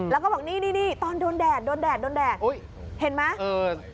แล้วก็บอกนี่ตอนโดนแดดเห็นมั้ย